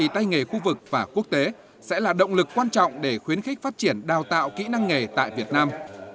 tay nghề khu vực và quốc tế sẽ là động lực quan trọng để khuyến khích phát triển đào tạo kỹ năng nghề tại việt nam